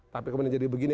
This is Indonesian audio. tapi kemudian jadi begini